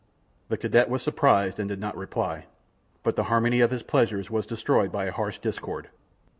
The cadet was surprised and did not reply, but the harmony of his pleasures was destroyed by a harsh discord.